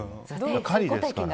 狩りですから。